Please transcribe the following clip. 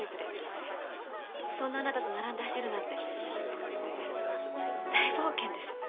そんなあなたと並んで走るなんて大冒険です。